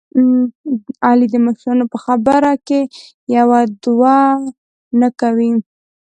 علي د مشرانو په خبره کې یوه دوه نه کوي.